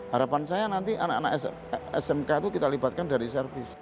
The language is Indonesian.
harapan saya nanti anak anak smk itu kita libatkan dari servis